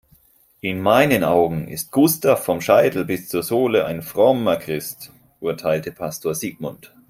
"In meinen Augen ist Gustav vom Scheitel bis zur Sohle ein frommer Christ", urteilte Pastor Sigmund.